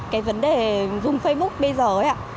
cái vấn đề dùng facebook bây giờ ấy ạ